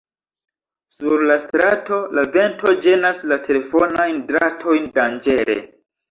Sur la strato, la vento ĝenas la telefonajn dratojn danĝere.